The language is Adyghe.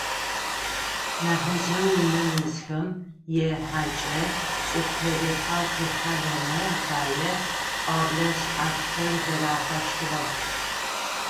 Нахьыжъэу унэм исхэм, е хьакӏэ, цӏыф лъэрыхьэу къихьэрэмэ апае пӏоблэ шъхьафхэр зэрахьэщтыгъэх.